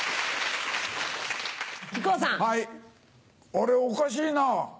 あれおかしいな。